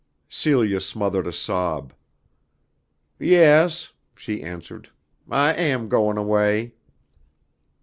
Celia smothered a sob. "Yes," she answered, "I am goin' away."